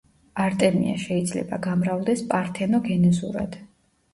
არტემია შეიძლება გამრავლდეს პართენოგენეზურად.